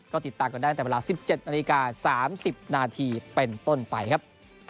ก็ติดตามกันได้ตั้งแต่เวลา๑๗นาฬิกา๓๐นาทีเป็นต้นไปครับ